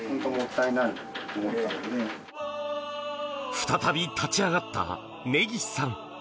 再び立ち上がった根岸さん。